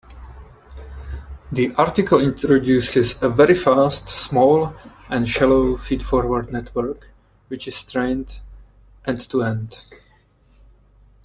The article introduces a very fast, small, and shallow feed-forward network which is trained end-to-end.